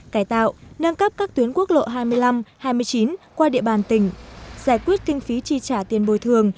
cải tạo nâng cấp các tuyến quốc lộ hai mươi năm hai mươi chín qua địa bàn tỉnh giải quyết kinh phí tri trả tiền bồi thường